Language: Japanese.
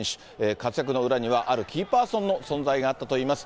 活躍の裏にはあるキーパーソンの存在があったといいます。